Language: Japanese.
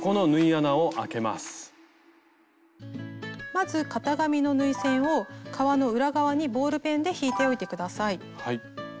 まず型紙の縫い線を革の裏側にボールペンで引いておいて下さい。